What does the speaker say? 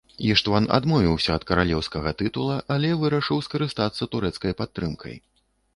Іштван адмовіўся ад каралеўскага тытула, але вырашыў скарыстацца турэцкай падтрымкай.